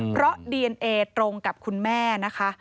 เพราะดีเอนเอตรงกับคุณแม่นะคะ